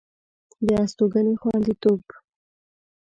د استوګنې خوندیتوب